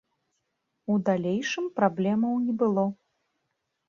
У далейшым праблемаў не было.